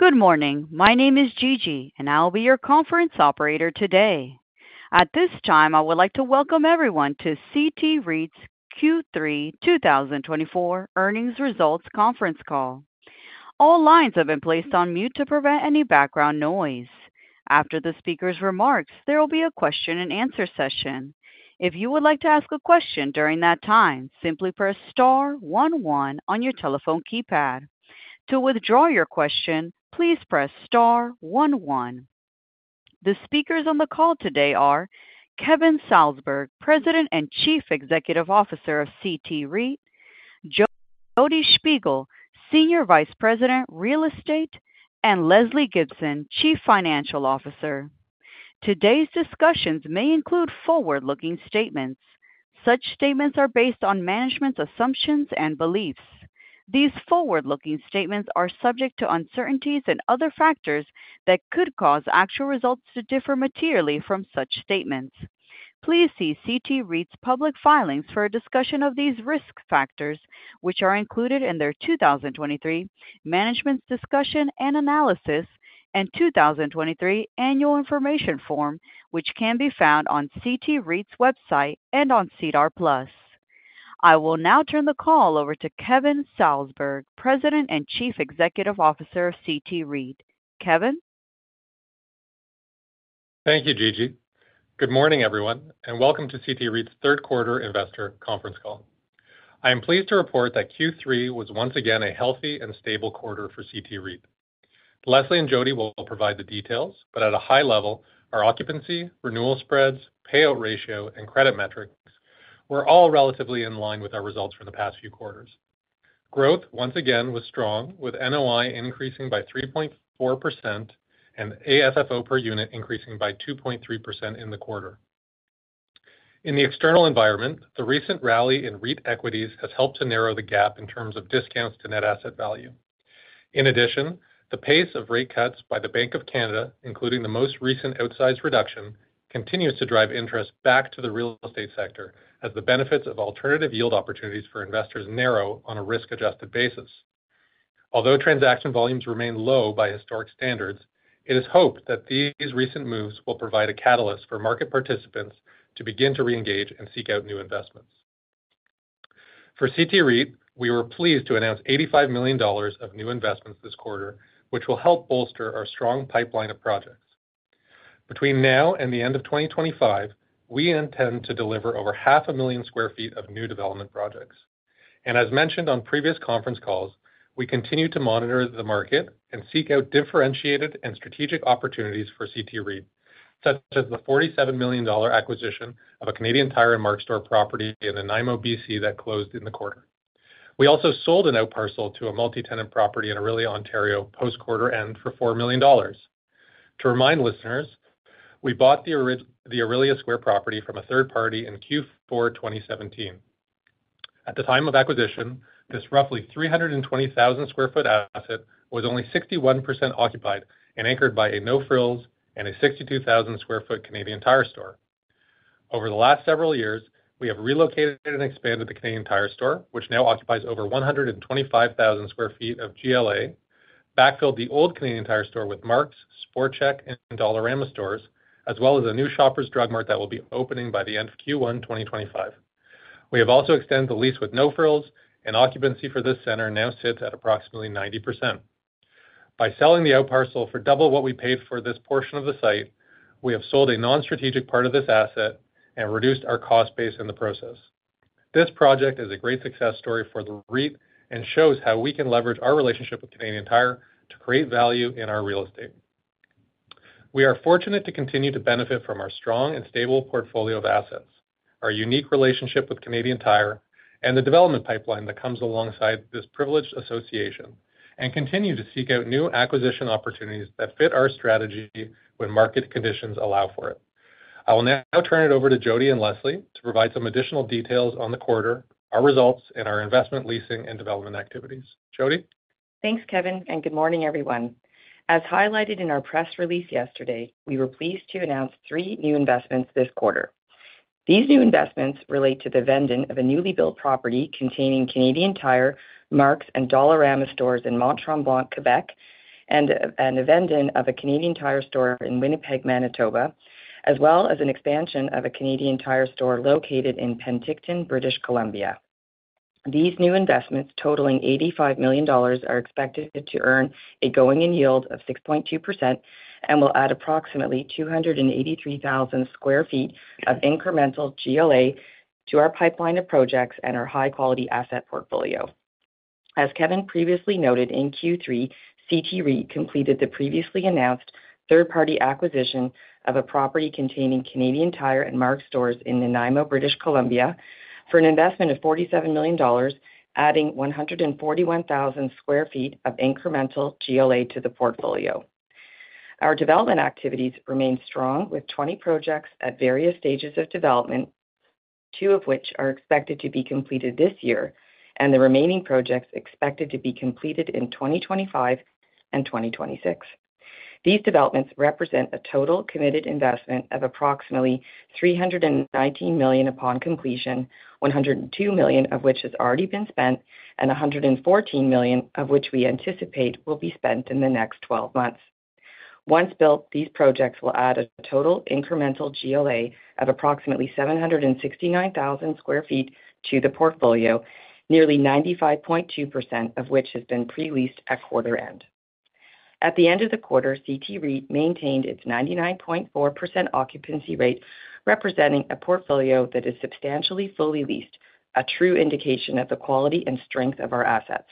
Good morning. My name is Gigi, and I'll be your conference operator today. At this time, I would like to welcome everyone to CT REIT's Q3 2024 Earnings Results Conference Call. All lines have been placed on mute to prevent any background noise. After the speaker's remarks, there will be a question-and-answer session. If you would like to ask a question during that time, simply press star one one on your telephone keypad. To withdraw your question, please press star one one. The speakers on the call today are Kevin Salsberg, President and Chief Executive Officer of CT REIT; Jodi Shpigel, Senior Vice President, Real Estate; and Lesley Gibson, Chief Financial Officer. Today's discussions may include forward-looking statements. Such statements are based on management's assumptions and beliefs. These forward-looking statements are subject to uncertainties and other factors that could cause actual results to differ materially from such statements. Please see CT REIT's public filings for a discussion of these risk factors, which are included in their 2023 Management's Discussion and Analysis and 2023 Annual Information Form, which can be found on CT REIT's website and on SEDAR+. I will now turn the call over to Kevin Salsberg, President and Chief Executive Officer of CT REIT. Kevin? Thank you, Gigi. Good morning, everyone, and welcome to CT REIT's Third Quarter Investor Conference Call. I am pleased to report that Q3 was once again a healthy and stable quarter for CT REIT. Lesley and Jodi will provide the details, but at a high level, our occupancy, renewal spreads, payout ratio, and credit metrics were all relatively in line with our results from the past few quarters. Growth, once again, was strong, with NOI increasing by 3.4% and AFFO per unit increasing by 2.3% in the quarter. In the external environment, the recent rally in REIT equities has helped to narrow the gap in terms of discounts to net asset value. In addition, the pace of rate cuts by the Bank of Canada, including the most recent outsized reduction, continues to drive interest back to the real estate sector as the benefits of alternative yield opportunities for investors narrow on a risk-adjusted basis. Although transaction volumes remain low by historic standards, it is hoped that these recent moves will provide a catalyst for market participants to begin to reengage and seek out new investments. For CT REIT, we were pleased to announce 85 million dollars of new investments this quarter, which will help bolster our strong pipeline of projects. Between now and the end of 2025, we intend to deliver over 500,000 sq ft of new development projects. And as mentioned on previous conference calls, we continue to monitor the market and seek out differentiated and strategic opportunities for CT REIT, such as the 47 million dollar acquisition of a Canadian Tire and Mark's store property in Nanaimo, BC that closed in the quarter. We also sold an outparcel to a multi-tenant property in Orillia, Ontario, post-quarter end for 4 million dollars. To remind listeners, we bought the Orillia Square property from a third-party in Q4 2017. At the time of acquisition, this roughly 320,000 sq ft asset was only 61% occupied and anchored by a No Frills and a 62,000 sq ft Canadian Tire store. Over the last several years, we have relocated and expanded the Canadian Tire store, which now occupies over 125,000 sq ft of GLA, backfilled the old Canadian Tire store with Mark's, SportChek, and Dollarama stores, as well as a new Shoppers Drug Mart that will be opening by the end of Q1 2025. We have also extended the lease with No Frills, and occupancy for this center now sits at approximately 90%. By selling the outparcel for double what we paid for this portion of the site, we have sold a non-strategic part of this asset and reduced our cost base in the process. This project is a great success story for the REIT and shows how we can leverage our relationship with Canadian Tire to create value in our real estate. We are fortunate to continue to benefit from our strong and stable portfolio of assets, our unique relationship with Canadian Tire, and the development pipeline that comes alongside this privileged association, and continue to seek out new acquisition opportunities that fit our strategy when market conditions allow for it. I will now turn it over to Jodi and Lesley to provide some additional details on the quarter, our results, and our investment, leasing, and development activities. Jodi? Thanks, Kevin, and good morning, everyone. As highlighted in our press release yesterday, we were pleased to announce three new investments this quarter. These new investments relate to the vend-in of a newly built property containing Canadian Tire, Mark's, and Dollarama stores in Mont-Tremblant, Quebec, and a vend-in of a Canadian Tire store in Winnipeg, Manitoba, as well as an expansion of a Canadian Tire store located in Penticton, British Columbia. These new investments, totaling 85 million dollars, are expected to earn a going-in yield of 6.2% and will add approximately 283,000 sq ft of incremental GLA to our pipeline of projects and our high-quality asset portfolio. As Kevin previously noted in Q3, CT REIT completed the previously announced third-party acquisition of a property containing Canadian Tire and Mark's stores in Nanaimo, British Columbia, for an investment of 47 million dollars, adding 141,000 sq ft of incremental GLA to the portfolio. Our development activities remain strong, with 20 projects at various stages of development, two of which are expected to be completed this year, and the remaining projects expected to be completed in 2025 and 2026. These developments represent a total committed investment of approximately 319 million upon completion, 102 million of which has already been spent, and 114 million of which we anticipate will be spent in the next 12 months. Once built, these projects will add a total incremental GLA of approximately 769,000 sq ft to the portfolio, nearly 95.2% of which has been pre-leased at quarter end. At the end of the quarter, CT REIT maintained its 99.4% occupancy rate, representing a portfolio that is substantially fully leased, a true indication of the quality and strength of our assets.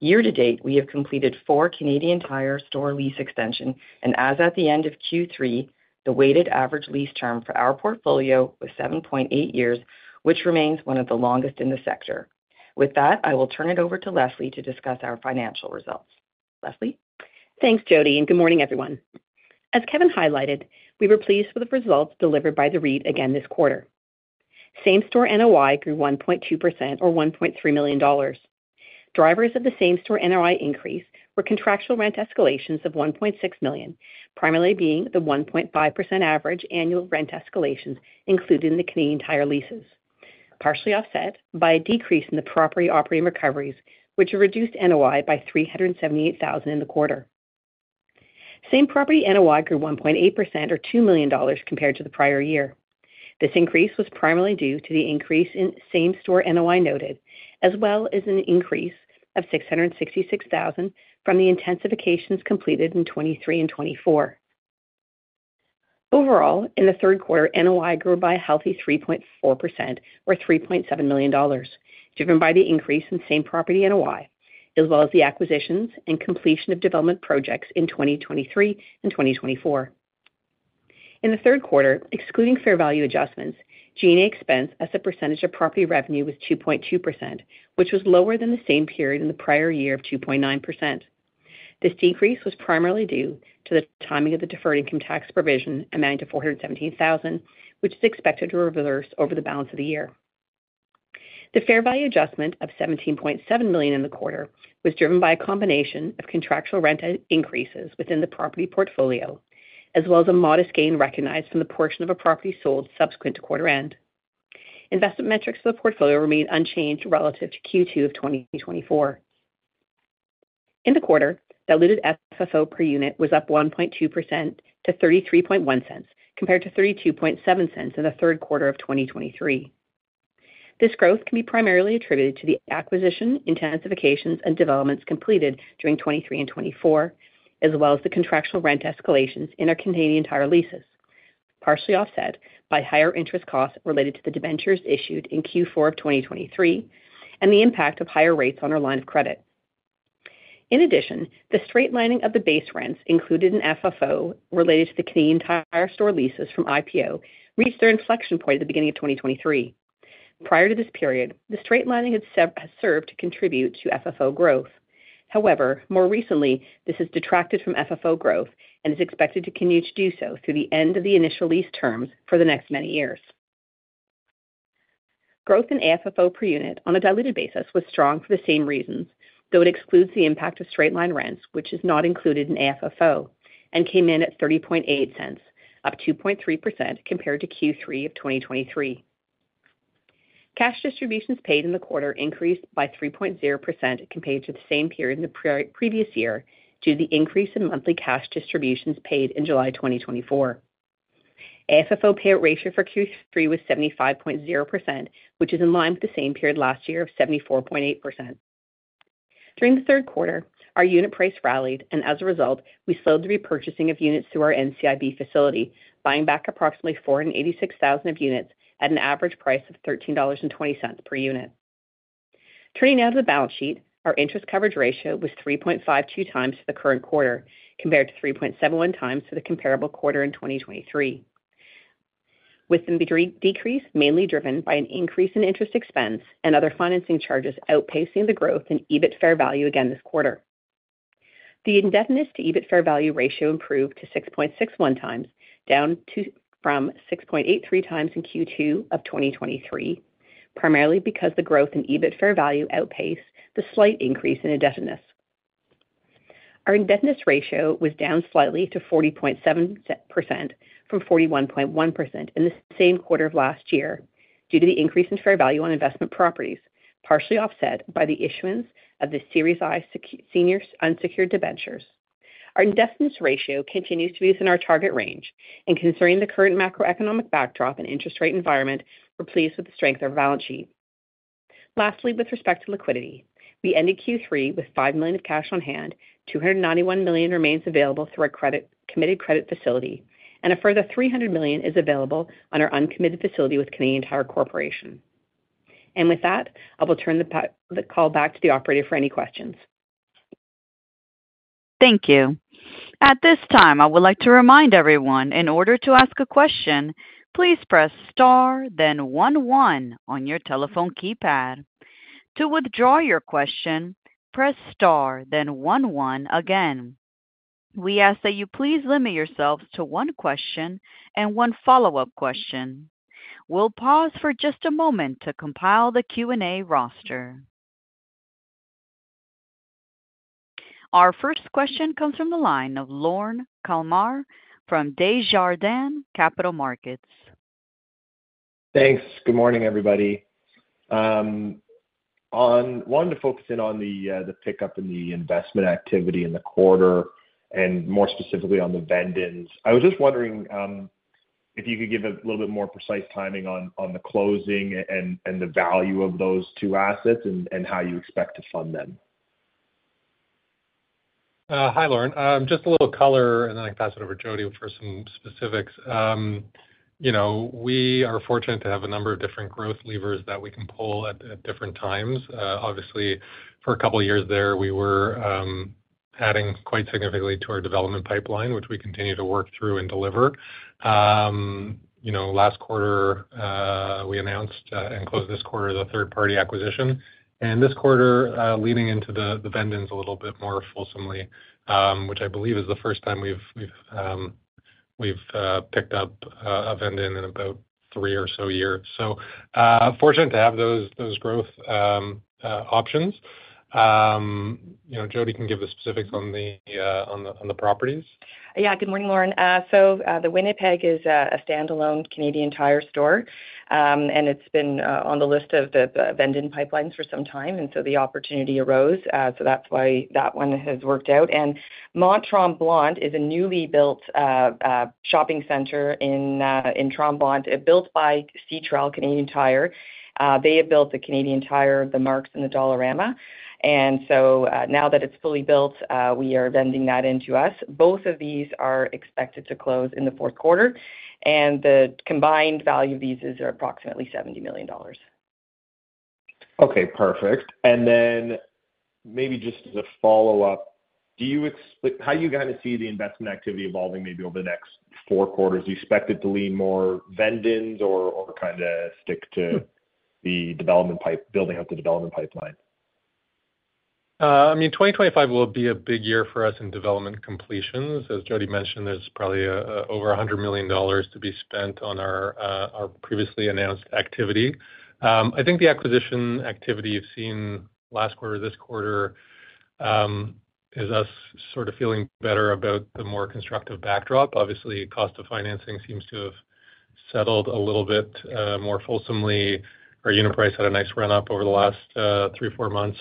Year-to-date, we have completed four Canadian Tire store lease extensions, and as at the end of Q3, the weighted average lease term for our portfolio was 7.8 years, which remains one of the longest in the sector. With that, I will turn it over to Lesley to discuss our financial results. Lesley. Thanks, Jodi, and good morning, everyone. As Kevin highlighted, we were pleased with the results delivered by the REIT again this quarter. Same-store NOI grew 1.2%, or 1.3 million dollars. Drivers of the same-store NOI increase were contractual rent escalations of 1.6 million, primarily being the 1.5% average annual rent escalations included in the Canadian Tire leases, partially offset by a decrease in the property operating recoveries, which reduced NOI by 378,000 in the quarter. Same-property NOI grew 1.8%, or 2 million dollars, compared to the prior year. This increase was primarily due to the increase in same-store NOI noted, as well as an increase of 666,000 from the intensifications completed in 2023 and 2024. Overall, in the third quarter, NOI grew by a healthy 3.4%, or 3.7 million dollars, driven by the increase in same-property NOI, as well as the acquisitions and completion of development projects in 2023 and 2024. In the third quarter, excluding fair value adjustments, G&A expense as a percentage of property revenue was 2.2%, which was lower than the same period in the prior year of 2.9%. This decrease was primarily due to the timing of the deferred income tax provision amounting to 417,000, which is expected to reverse over the balance of the year. The fair value adjustment of 17.7 million in the quarter was driven by a combination of contractual rent increases within the property portfolio, as well as a modest gain recognized from the portion of a property sold subsequent to quarter end. Investment metrics for the portfolio remained unchanged relative to Q2 of 2024. In the quarter, diluted FFO per unit was up 1.2% to 0.331, compared to 0.327 in the third quarter of 2023. This growth can be primarily attributed to the acquisition, intensifications, and developments completed during 2023 and 2024, as well as the contractual rent escalations in our Canadian Tire leases, partially offset by higher interest costs related to the debentures issued in Q4 of 2023 and the impact of higher rates on our line of credit. In addition, the straightlining of the base rents included in FFO related to the Canadian Tire store leases from IPO reached their inflection point at the beginning of 2023. Prior to this period, the straightlining had served to contribute to FFO growth. However, more recently, this has detracted from FFO growth and is expected to continue to do so through the end of the initial lease terms for the next many years. Growth in FFO per unit on a diluted basis was strong for the same reasons, though it excludes the impact of straight-line rents, which is not included in FFO, and came in at 0.38, up 2.3% compared to Q3 of 2023. Cash distributions paid in the quarter increased by 3.0% compared to the same period in the previous year due to the increase in monthly cash distributions paid in July 2024. FFO payout ratio for Q3 was 75.0%, which is in line with the same period last year of 74.8%. During the third quarter, our unit price rallied, and as a result, we slowed the repurchasing of units through our NCIB facility, buying back approximately 486,000 of units at an average price of 13.20 dollars per unit. Turning now to the balance sheet, our interest coverage ratio was 3.52x for the current quarter, compared to 3.71x for the comparable quarter in 2023, with the decrease mainly driven by an increase in interest expense and other financing charges outpacing the growth in EBIT fair value again this quarter. The indebtedness to EBIT fair value ratio improved to 6.61x, down from 6.83x in Q2 of 2023, primarily because the growth in EBIT fair value outpaced the slight increase in indebtedness. Our indebtedness ratio was down slightly to 40.7% from 41.1% in the same quarter of last year due to the increase in fair value on investment properties, partially offset by the issuance of the series J senior unsecured debentures. Our indebtedness ratio continues to be within our target range, and considering the current macroeconomic backdrop and interest rate environment, we're pleased with the strength of our balance sheet. Lastly, with respect to liquidity, we ended Q3 with 5 million of cash on hand, 291 million remains available through our committed credit facility, and a further 300 million is available on our uncommitted facility with Canadian Tire Corporation. And with that, I will turn the call back to the operator for any questions. Thank you. At this time, I would like to remind everyone, in order to ask a question, please press star, then one one on your telephone keypad. To withdraw your question, press star, then one one again. We ask that you please limit yourselves to one question and one follow-up question. We'll pause for just a moment to compile the Q&A roster. Our first question comes from the line of Lorne Kalmar from Desjardins Capital Markets. Thanks. Good morning, everybody. I wanted to focus in on the pickup in the investment activity in the quarter, and more specifically on the vend-ins. I was just wondering if you could give a little bit more precise timing on the closing and the value of those two assets and how you expect to fund them? Hi, Lorne. Just a little color, and then I can pass it over to Jodi for some specifics. We are fortunate to have a number of different growth levers that we can pull at different times. Obviously, for a couple of years there, we were adding quite significantly to our development pipeline, which we continue to work through and deliver. Last quarter, we announced and closed this quarter the third-party acquisition, and this quarter, leading into the vend-ins a little bit more fulsomely, which I believe is the first time we've picked up a vend-in in about three or so years, so fortunate to have those growth options. Jodi can give the specifics on the properties. Yeah, good morning, Lorne. So the Winnipeg is a stand-alone Canadian Tire store, and it's been on the list of the development pipeline for some time, and so the opportunity arose. So that's why that one has worked out. And Mont Tremblant is a newly built shopping center in Tremblant, built by Canadian Tire. They have built the Canadian Tire, the Mark's, and the Dollarama. And so now that it's fully built, we are vend-in that into us. Both of these are expected to close in the fourth quarter, and the combined value of these is approximately 70 million dollars. Okay, perfect. And then maybe just as a follow-up, how are you going to see the investment activity evolving maybe over the next four quarters? Do you expect it to lean more vend-in or kind of stick to building out the development pipeline? I mean, 2025 will be a big year for us in development completions. As Jodi mentioned, there's probably over 100 million dollars to be spent on our previously announced activity. I think the acquisition activity you've seen last quarter or this quarter is us sort of feeling better about the more constructive backdrop. Obviously, cost of financing seems to have settled a little bit more fulsomely. Our unit price had a nice run-up over the last three or four months.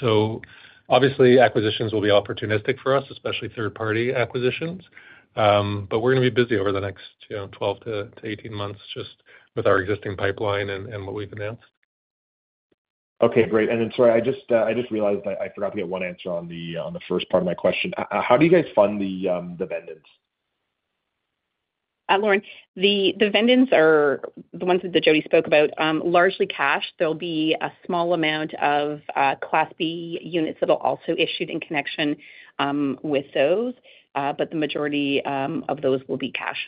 So obviously, acquisitions will be opportunistic for us, especially third-party acquisitions. But we're going to be busy over the next 12 to 18 months just with our existing pipeline and what we've announced. Okay, great. And then sorry, I just realized I forgot to get one answer on the first part of my question. How do you guys fund the vend-ins? Lorne, the vend-ins are the ones that Jodi spoke about, largely cash. There'll be a small amount of Class B units that are also issued in connection with those, but the majority of those will be cash.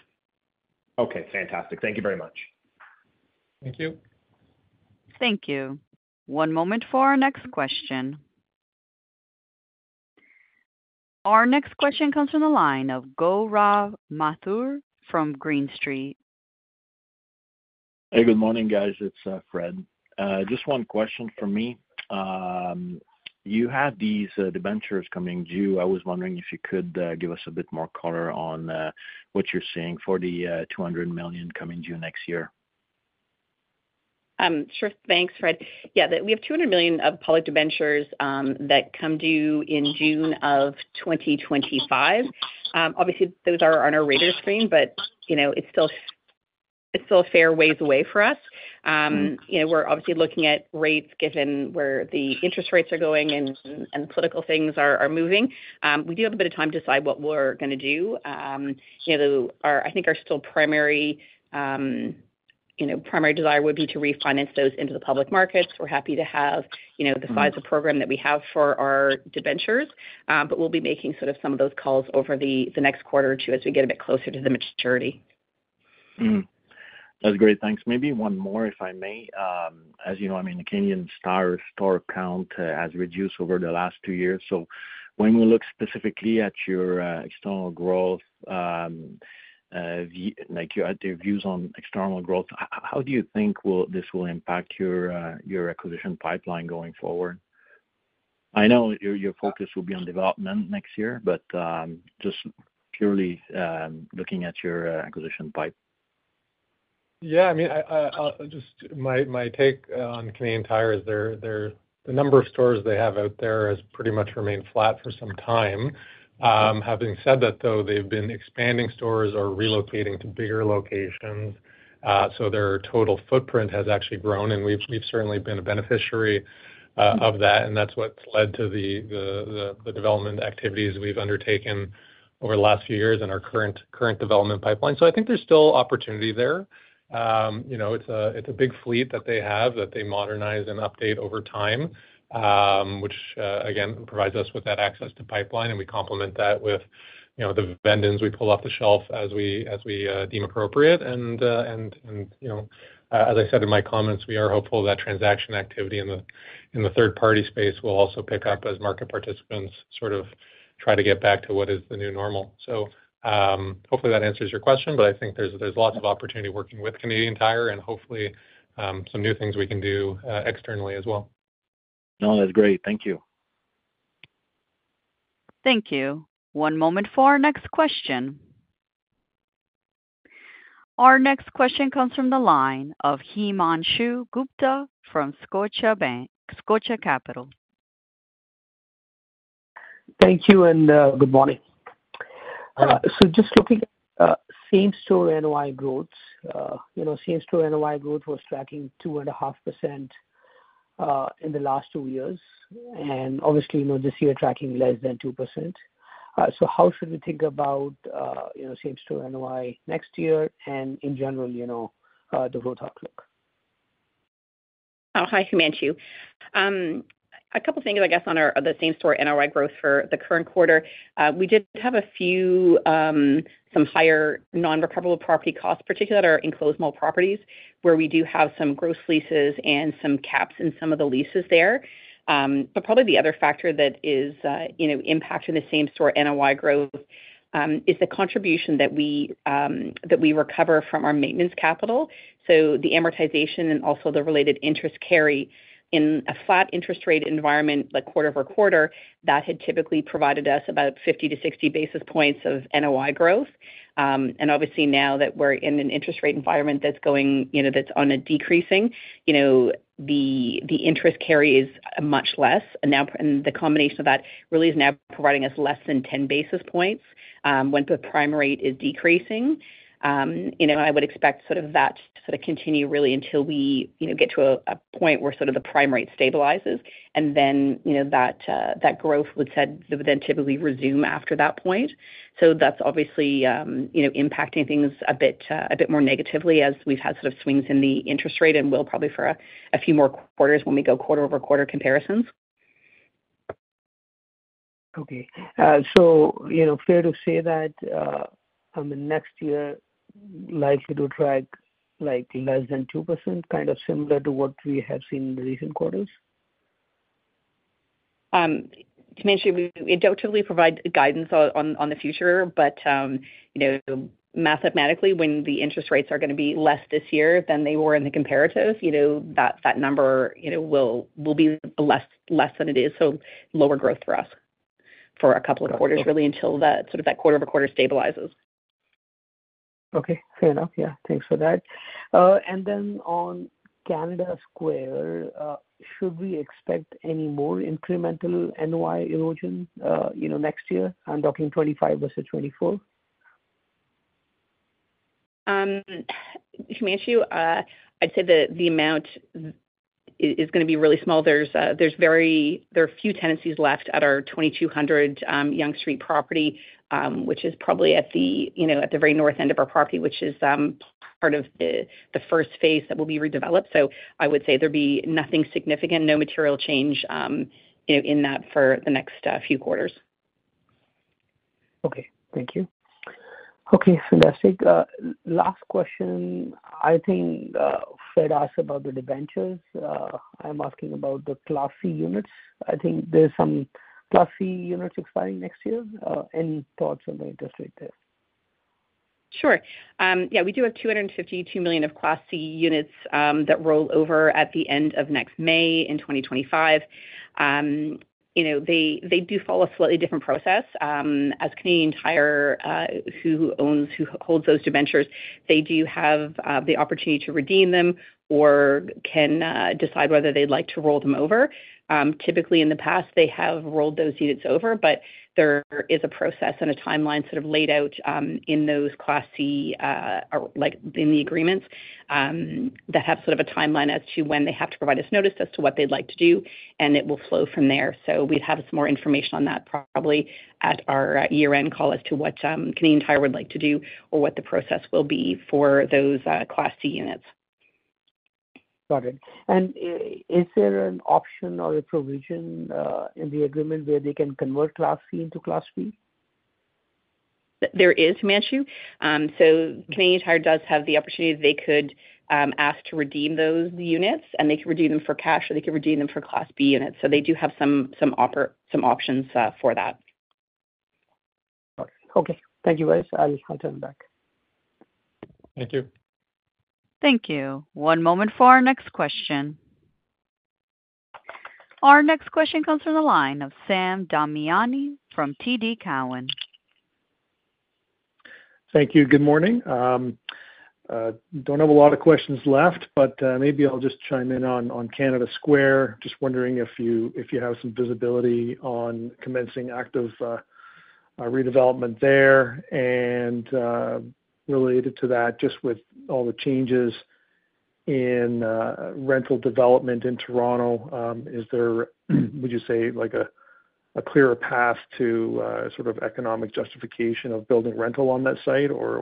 Okay, fantastic. Thank you very much. Thank you. Thank you. One moment for our next question. Our next question comes from the line of Gaurav Mathur from Green Street. Hey, good morning, guys. It's Fred. Just one question for me. You have these debentures coming due. I was wondering if you could give us a bit more color on what you're seeing for the 200 million coming due next year. Sure, thanks, Fred. Yeah, we have 200 million of public debentures that come due in June of 2025. Obviously, those are on our radar screen, but it's still a fair ways away for us. We're obviously looking at rates given where the interest rates are going and political things are moving. We do have a bit of time to decide what we're going to do. I think our still primary desire would be to refinance those into the public markets. We're happy to have the size of program that we have for our debentures, but we'll be making sort of some of those calls over the next quarter or two as we get a bit closer to the maturity. That's great. Thanks. Maybe one more, if I may. As you know, I mean, the Canadian Tire store count has reduced over the last two years. So when we look specifically at your external growth, your views on external growth, how do you think this will impact your acquisition pipeline going forward? I know your focus will be on development next year, but just purely looking at your acquisition pipeline. Yeah, I mean, just my take on Canadian Tire is the number of stores they have out there has pretty much remained flat for some time. Having said that, though, they've been expanding stores or relocating to bigger locations. So their total footprint has actually grown, and we've certainly been a beneficiary of that. And that's what's led to the development activities we've undertaken over the last few years in our current development pipeline. So I think there's still opportunity there. It's a big fleet that they have that they modernize and update over time, which, again, provides us with that access to pipeline. And we complement that with the vend-ins we pull off the shelf as we deem appropriate. As I said in my comments, we are hopeful that transaction activity in the third-party space will also pick up as market participants sort of try to get back to what is the new normal. Hopefully that answers your question, but I think there's lots of opportunity working with Canadian Tire and hopefully some new things we can do externally as well. No, that's great. Thank you. Thank you. One moment for our next question. Our next question comes from the line of Himanshu Gupta from Scotia Capital. Thank you and good morning. So just looking at same-store NOI growth, same-store NOI growth was tracking 2.5% in the last two years. And obviously, this year tracking less than 2%. So how should we think about same-store NOI next year and in general the growth outlook? Hi, Himanshu. A couple of things, I guess, on the same-store NOI growth for the current quarter. We did have a few higher non-recoverable property costs, particularly our enclosed mall properties, where we do have some gross leases and some caps in some of the leases there. But probably the other factor that is impacting the same-store NOI growth is the contribution that we recover from our maintenance capital. So the amortization and also the related interest carry in a flat interest rate environment, like quarter-over-quarter, that had typically provided us about 50-60 basis points of NOI growth. And obviously now that we're in an interest rate environment that's going on a decreasing, the interest carry is much less. And the combination of that really is now providing us less than 10 basis points when the prime rate is decreasing. I would expect sort of that to sort of continue really until we get to a point where sort of the prime rate stabilizes, and then that growth would then typically resume after that point. So that's obviously impacting things a bit more negatively as we've had sort of swings in the interest rate and will probably for a few more quarters when we go quarter-over-quarter comparisons. Okay. So, fair to say that next year likely to track less than 2%, kind of similar to what we have seen in the recent quarters? Himanshu, we don't typically provide guidance on the future, but mathematically, when the interest rates are going to be less this year than they were in the comparative, that number will be less than it is. So lower growth for us for a couple of quarters really until sort of that quarter-over-quarter stabilizes. Okay. Fair enough. Yeah. Thanks for that. And then on Canada Square, should we expect any more incremental NOI erosion next year? I'm talking 2025 versus 2024. Himanshu, I'd say the amount is going to be really small. There are few tenancies left at our 2200 Yonge Street property, which is probably at the very north end of our property, which is part of the first phase that will be redeveloped. So I would say there'd be nothing significant, no material change in that for the next few quarters. Okay. Thank you. Okay, fantastic. Last question. I think Fred asked about the debentures? I'm asking about the Class C units. I think there's some Class C units expiring next year? Any thoughts on the interest rate there? Sure. Yeah, we do have 252 million of Class C units that roll over at the end of next May in 2025. They do follow a slightly different process. As Canadian Tire who holds those debentures, they do have the opportunity to redeem them or can decide whether they'd like to roll them over. Typically, in the past, they have rolled those units over, but there is a process and a timeline sort of laid out in those Class C, in the agreements, that have sort of a timeline as to when they have to provide us notice as to what they'd like to do, and it will flow from there. So we'd have some more information on that probably at our year-end call as to what Canadian Tire would like to do or what the process will be for those Class C units. Got it. And is there an option or a provision in the agreement where they can convert Class C into Class B? There is, Himanshu. So Canadian Tire does have the opportunity that they could ask to redeem those units, and they could redeem them for cash, or they could redeem them for Class B units. So they do have some options for that. Got it. Okay. Thank you, guys. I'll turn back. Thank you. Thank you. One moment for our next question. Our next question comes from the line of Sam Damiani from TD Cowen. Thank you. Good morning. Don't have a lot of questions left, but maybe I'll just chime in on Canada Square. Just wondering if you have some visibility on commencing active redevelopment there. And related to that, just with all the changes in rental development in Toronto, would you say a clearer path to sort of economic justification of building rental on that site, or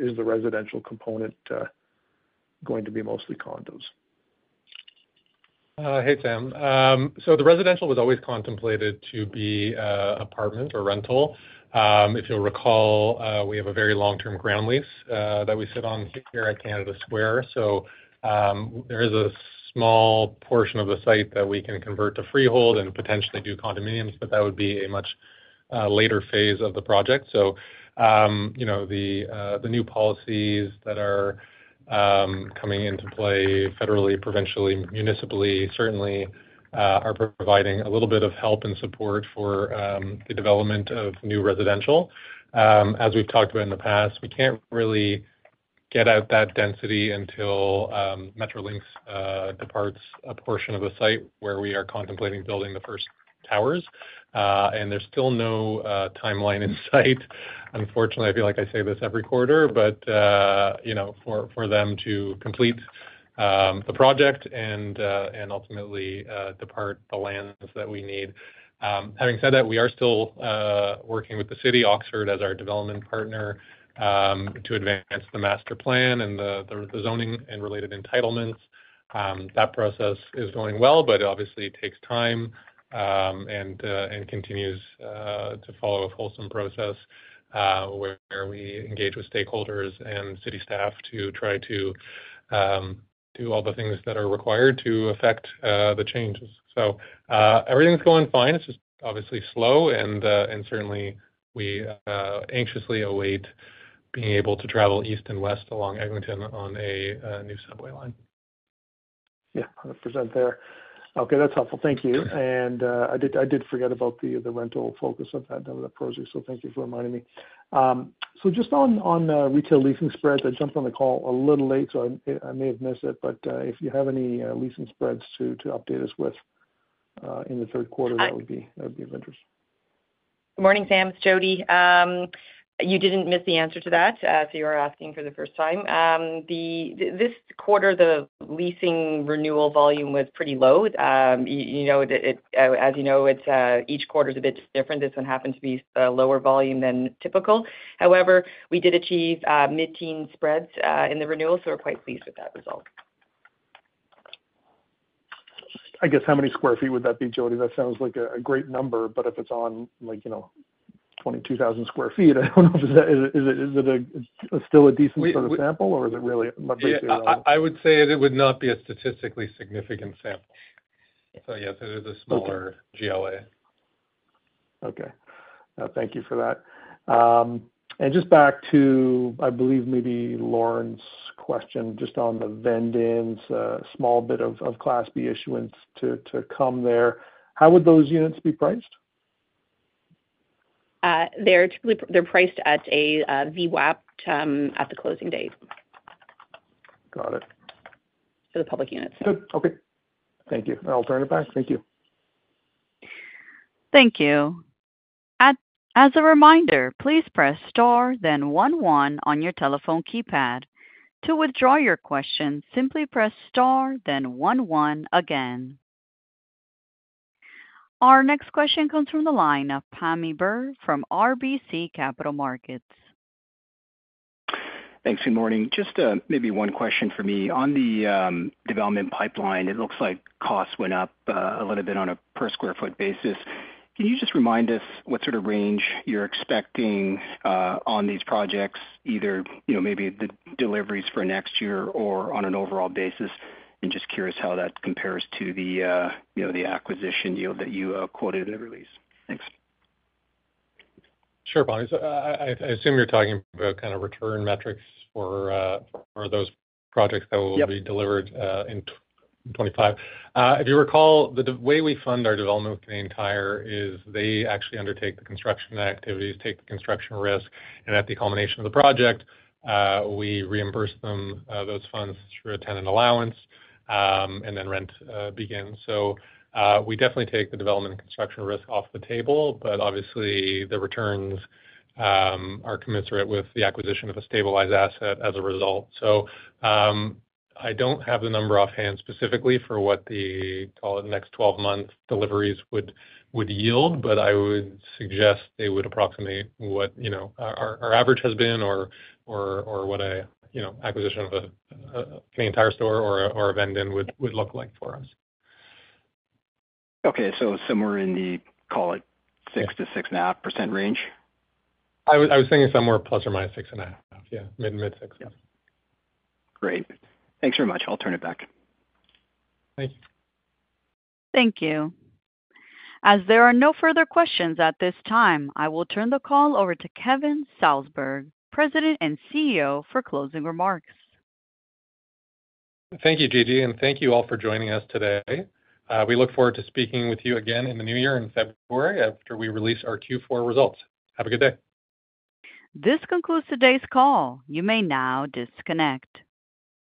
is the residential component going to be mostly condos? Hey, Sam. So the residential was always contemplated to be apartment or rental. If you'll recall, we have a very long-term ground lease that we sit on here at Canada Square. So there is a small portion of the site that we can convert to freehold and potentially do condominiums, but that would be a much later phase of the project. So the new policies that are coming into play federally, provincially, municipally, certainly are providing a little bit of help and support for the development of new residential. As we've talked about in the past, we can't really get out that density until Metrolinx departs a portion of the site where we are contemplating building the first towers. And there's still no timeline in sight. Unfortunately, I feel like I say this every quarter, but for them to complete the project and ultimately depart the lands that we need. Having said that, we are still working with the city, Oxford, as our development partner to advance the master plan and the zoning and related entitlements. That process is going well, but obviously takes time and continues to follow a wholesome process where we engage with stakeholders and city staff to try to do all the things that are required to affect the changes. So everything's going fine. It's just obviously slow, and certainly we anxiously await being able to travel east and west along Eglinton on a new subway line. Yeah, 100% there. Okay, that's helpful. Thank you. And I did forget about the rental focus of that proposal, so thank you for reminding me. So just on retail leasing spreads, I jumped on the call a little late, so I may have missed it, but if you have any leasing spreads to update us with in the third quarter, that would be of interest. Good morning, Sam. It's Jodi. You didn't miss the answer to that, so you were asking for the first time. This quarter, the leasing renewal volume was pretty low. As you know, each quarter is a bit different. This one happened to be a lower volume than typical. However, we did achieve mid-teen spreads in the renewal, so we're quite pleased with that result. I guess how many square feet would that be, Jodi? That sounds like a great number, but if it's on 22,000 sq ft, I don't know if it's still a decent sort of sample, or is it really much bigger? I would say it would not be a statistically significant sample. So yes, it is a smaller GLA. Okay. Thank you for that and just back to, I believe, maybe Lorne's question, just on the vend-ins, a small bit of Class B issuance to come there. How would those units be priced? They're priced at a VWAP at the closing date. Got it. For the public units. Good. Okay. Thank you. I'll turn it back. Thank you. Thank you. As a reminder, please press star, then one one on your telephone keypad. To withdraw your question, simply press star, then one one again. Our next question comes from the line of Pammi Bir from RBC Capital Markets. Thanks. Good morning. Just maybe one question for me. On the development pipeline, it looks like costs went up a little bit on a per square foot basis. Can you just remind us what sort of range you're expecting on these projects, either maybe the deliveries for next year or on an overall basis? And just curious how that compares to the acquisition yield that you quoted in the release. Thanks. Sure, Pammi. So I assume you're talking about kind of return metrics for those projects that will be delivered in 2025. If you recall, the way we fund our development with Canadian Tire is they actually undertake the construction activities, take the construction risk, and at the culmination of the project, we reimburse them those funds through a tenant allowance, and then rent begins. So we definitely take the development and construction risk off the table, but obviously the returns are commensurate with the acquisition of a stabilized asset as a result. So I don't have the number offhand specifically for what the, call it, next 12 months deliveries would yield, but I would suggest they would approximate what our average has been or what an acquisition of a Canadian Tire store or a vend-in would look like for us. Okay. So somewhere in the, call it, 6%-6.5% range? I was thinking somewhere ±6.5. Yeah. Mid-6. Great. Thanks very much. I'll turn it back. Thank you. Thank you. As there are no further questions at this time, I will turn the call over to Kevin Salsberg, President and CEO, for closing remarks. Thank you, Gigi, and thank you all for joining us today. We look forward to speaking with you again in the new year in February after we release our Q4 results. Have a good day. This concludes today's call. You may now disconnect.